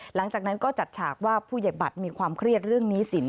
หลังจากนั้นก็จัดฉากว่าผู้ใหญ่บัตรมีความเครียดเรื่องหนี้สิน